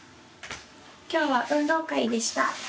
今日は運動会でした。